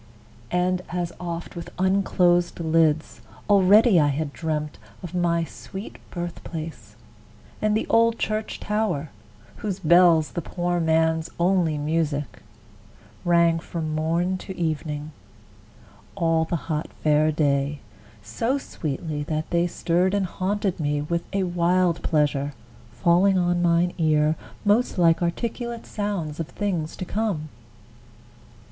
and as oft With unclosed lids, already had I dreamt Of my sweet birth place, and the old church tower, Whose bells, the poor man's only music, rang From morn to evening, all the hot Fair day, So sweetly, that they stirred and haunted me With a wild pleasure, falling on mine ear Most like articulate sounds of things to come!